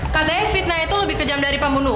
katanya fitnah itu lebih kejam dari pembunuhan